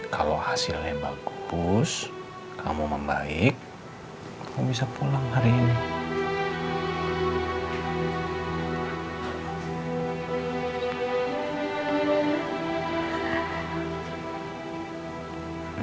kalau hasilnya bagus kamu membaik aku bisa pulang hari ini